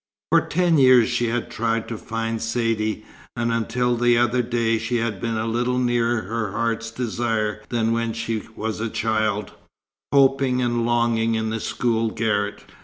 For ten years she had tried to find Saidee, and until the other day she had been little nearer her heart's desire than when she was a child, hoping and longing in the school garret.